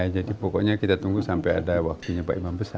jadi pokoknya kita tunggu sampai ada waktunya pak imam